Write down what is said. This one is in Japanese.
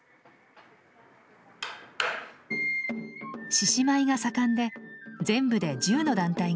獅子舞が盛んで全部で１０の団体があります。